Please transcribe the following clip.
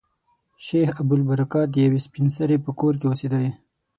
شیخ ابوالبرکات د یوې سپین سري په کور کې اوسېدی.